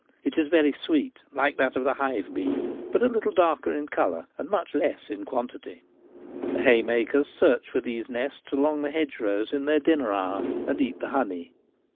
It is very sweet, like that of the hive bee, but a little darker in colour and much less in quantity. The haymakers search for these nests along the hedgerows in their dinner hour, and eat the honey.